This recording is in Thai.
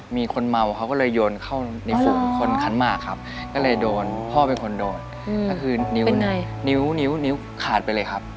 ไม่อยากจะบอกนิ้วนิ้วขาดไปเลยครับ